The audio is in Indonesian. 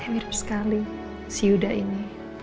mirip sekali si yuda ini